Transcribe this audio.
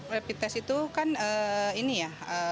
rapid test itu kan ini ya